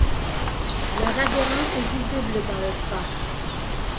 Leur adhérence est visible dans le fat.